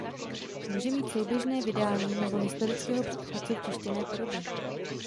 Může mít souběžné vydání nebo historického předchůdce v tištěné podobě.